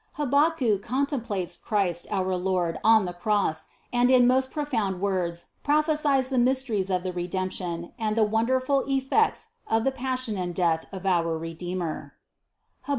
Habacuc contemplates Christ our Lord on the cross and in most profound words prophesies the mysteries of the Redemption and the wonderful effects of the passion and death of our Redeemer (Hab.